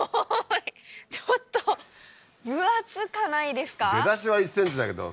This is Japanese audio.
ちょっと分厚かないですか。